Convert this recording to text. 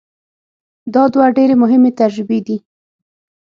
دا دوه ډېرې مهمې تجربې دي.